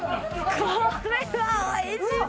これはおいしそう！